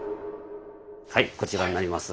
はいこちらになります。